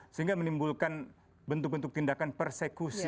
sehingga menimbulkan bentuk bentuk tindakan persekusi